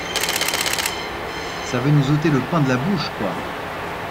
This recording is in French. Ça veut nous ôter le pain de la bouche, quoi!